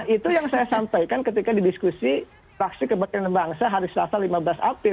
itu yang saya sampaikan ketika didiskusi praksi kebekinan bangsa hari selasa lima belas april